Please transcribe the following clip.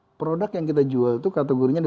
nah produk yang kita jual itu kategorinya di